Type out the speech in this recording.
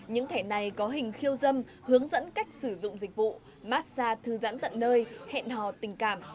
những thẻ này có hình khiêu dâm hướng dẫn cách sử dụng dịch vụ massage thư giãn tận nơi hẹn hò tình cảm